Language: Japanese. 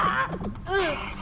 うん！